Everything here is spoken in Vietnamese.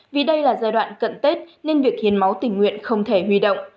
vì đây là giai đoạn cận tết nên việc hiến máu tình nguyện không thể huy động